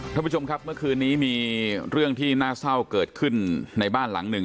ท่านผู้ชมครับเมื่อคืนนี้มีเรื่องที่น่าเศร้าเกิดขึ้นในบ้านหลังหนึ่ง